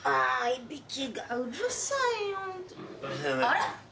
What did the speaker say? あれ？